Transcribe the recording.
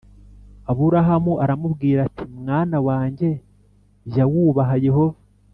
Aburahamu aramubwira ati mwana wanjye njya wubaha yehova